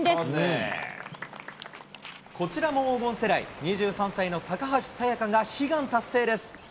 こちらも黄金世代、２３歳の高橋彩華が悲願達成です。